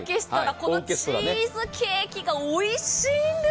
このチーズケーキがおいしいんです。